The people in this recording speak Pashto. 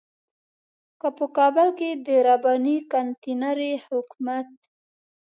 که په کابل کې د رباني کانتينري حکومت.